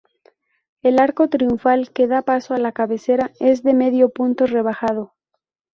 El arco triunfal que da paso a la cabecera es de medio punto rebajado.